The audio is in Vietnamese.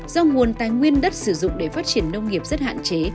do nguồn tài nguyên đất sử dụng để phát triển nông nghiệp rất hạn chế